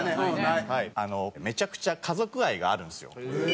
めちゃくちゃ家族愛があるんですよ。